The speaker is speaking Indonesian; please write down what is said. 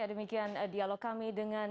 demikian dialog kami dengan